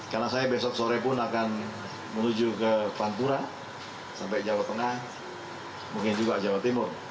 karena saya besok sore pun akan menuju ke pantura sampai jawa tengah mungkin juga jawa timur